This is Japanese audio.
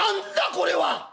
これは！」。